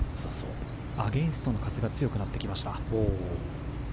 アゲンストの風が強くなってきました。